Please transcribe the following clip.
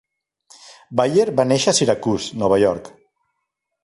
Bayer va néixer a Syracuse, Nova York.